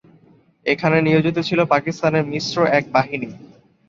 এখানে নিয়োজিত ছিল পাকিস্তানিদের মিশ্র এক বাহিনী।